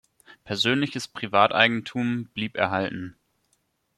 Persönliches Privateigentum blieb erhalten.